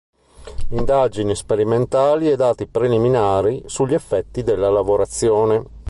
Indagini sperimentali e dati preliminari sugli effetti della lavorazione".